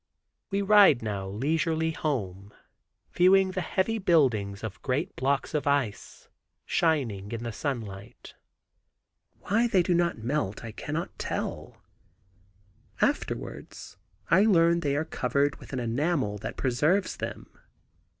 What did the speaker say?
We ride now leisurely home, viewing the heavy buildings of great blocks of ice, shining in the sunlight. Why they do not melt I cannot tell. Afterwards I learn they are covered with an enamel that preserves them.